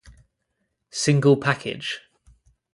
Single package